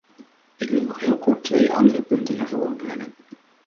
Ik wil nog heel kort twee andere punten naar voren brengen.